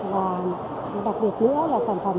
đặc biệt nữa là sản phẩm hoàn toàn xé được bằng tay